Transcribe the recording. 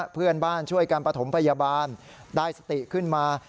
เพื่อนบ้านช่วยกันประถมพยาบาลได้สติขึ้นมา